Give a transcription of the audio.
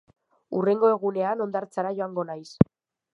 Hurrengo egunean hondartzara joango naiz